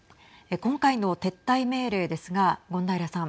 今回の撤退命令ですが権平さん。